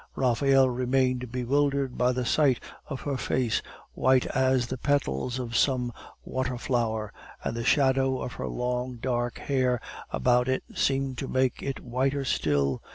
Raphael remained bewildered by the sight of her face, white as the petals of some water flower, and the shadow of her long, dark hair about it seemed to make it whiter still.